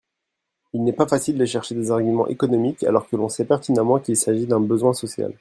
il n'est pas facile de chercher des arguments économiques alors que l'on sait pertinemment qu'il s'agit d'un besoin social.